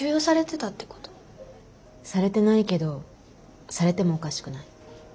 されてないけどされてもおかしくない。